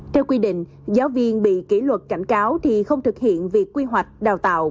theo quy định giáo viên bị kỷ luật cảnh cáo thì không thực hiện việc quy hoạch đào tạo